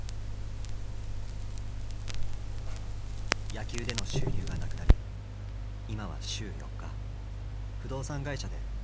野球での収入がなくなり今は週４日不動産会社でアルバイトをしています。